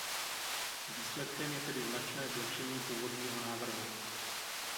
Výsledkem je tedy značné zlepšení původního návrhu.